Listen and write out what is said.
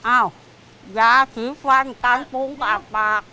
อ้าวอย่าถือฟันกางปุงปากปาก